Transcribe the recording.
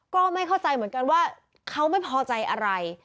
ก็ไม่เข้าใจเหมือนกันว่าเขาไม่พอใจอะไร